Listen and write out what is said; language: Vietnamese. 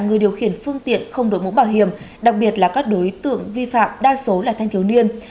người điều khiển phương tiện không đội mũ bảo hiểm đặc biệt là các đối tượng vi phạm đa số là thanh thiếu niên